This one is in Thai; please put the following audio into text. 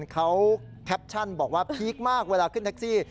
เขาแคปชั่นบอกว่าพีคมากเวลาขึ้นแท็กซี่